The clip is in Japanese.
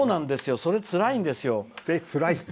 それ、つらいんですよ。